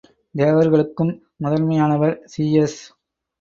தேவர்களுக்கும் முதன்மையானவர் சீயஸ்.